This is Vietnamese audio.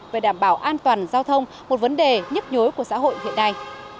về đảm bảo an toàn giao thông một vấn đề nhức nhối của xã hội hiện nay